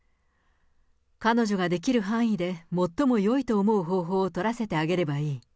彼女ができる範囲で最もよいと思う方法を取らせてあげればいい。